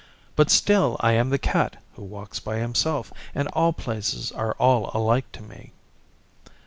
But still I am the Cat who walks by himself, and all places are alike to me.